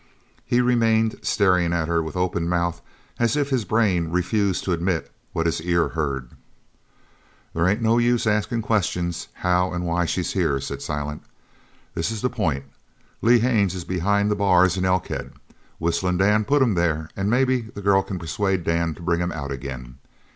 He remained staring at her with open mouth as if his brain refused to admit what his ear heard. "There ain't no use askin' questions how an' why she's here," said Silent. "This is the pint. Lee Haines is behind the bars in Elkhead. Whistlin' Dan put him there an' maybe the girl c'n persuade Dan to bring him out again.